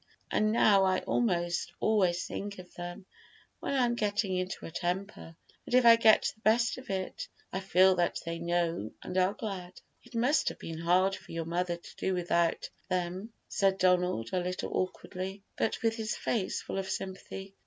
And now I almost always think of them when I am getting into a temper, and if I get the best of it, I feel that they know and are glad." "It must have been hard for your mother to do without them," said Donald a little awkwardly, but with his face full of sympathy.